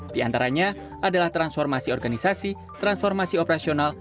di antaranya adalah transformasi organisasi transformasi operasional